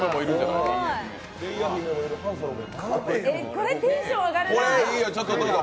これ、テンション上がるなあ。